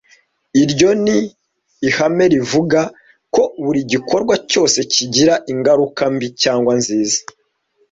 Iryo ni ihame rivuga ko buri gikorwa cyose kigira ingaruka mbi cyangwa nziza